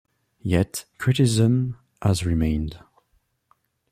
Yet criticism has remained.